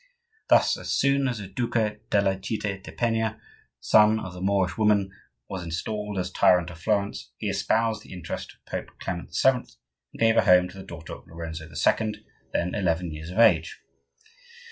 Thus as soon as the Duca della citta di Penna, son of the Moorish woman, was installed as tyrant of Florence, he espoused the interest of Pope Clement VII., and gave a home to the daughter of Lorenzo II., then eleven years of age.